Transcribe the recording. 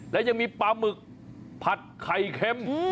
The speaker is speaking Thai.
และยังมีปลาหมึกผัดไข่เค็ม